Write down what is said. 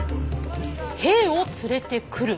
兵を連れてくる。